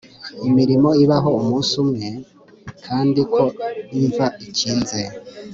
imirimo ibaho umunsi umwe, kandi ko imva ikinze